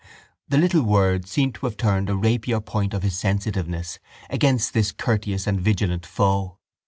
The little word seemed to have turned a rapier point of his sensitiveness against this courteous and vigilant foe.